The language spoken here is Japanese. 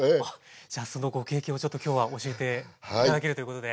じゃそのご経験をちょっと今日は教えて頂けるということで。